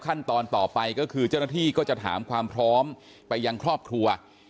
ขั้นตอนต่อไปก็คือเจ้าหน้าที่ก็จะถามความพร้อมไปยังครอบครัว